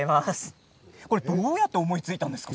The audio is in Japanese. どうやって思いついたんですか。